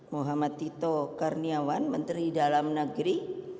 muhammad tito karniawan menteri dalam negeri